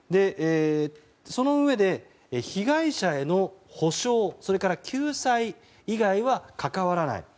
そのうえで、被害者への補償・救済以外は関わらない。